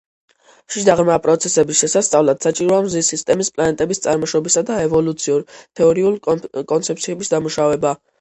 შიდა ღრმა პროცესების შესასწავლად საჭიროა მზის სისტემის პლანეტების წარმოშობისა და ევოლუციურ თეორიული კონცეფციების დამუშავება.